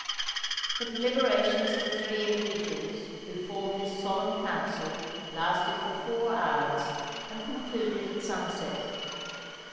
The deliberations of the three individuals who formed this solemn council lasted for four hours, and concluded at sunset.